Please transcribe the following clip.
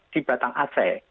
di batang asli